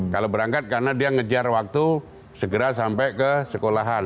kalau berangkat karena dia ngejar waktu segera sampai ke sekolahan